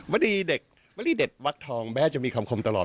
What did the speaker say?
ดีเด็กวรีเด็ดวักทองแม้จะมีคำคมตลอด